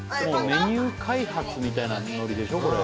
メニュー開発みたいなノリでしょこれ。